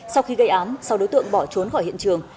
sau khi gây ám sáu đối tượng bỏ trốn khỏi hiện trường